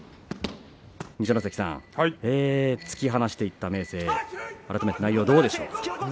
二所ノ関さん突き放していった明生改めて内容はどうでしょうか。